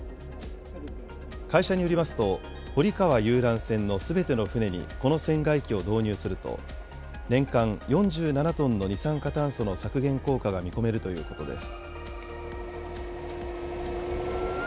会社によりますと、堀川遊覧船のすべての船にこの船外機を導入すると、年間４７トンの二酸化炭素の削減効果が見込めるということです。